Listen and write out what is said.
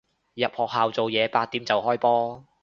入學校做嘢，八點就開波